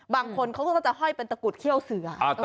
บางคนเขาก็จะห้อยเป็นตะกุดเขี้ยวเสือ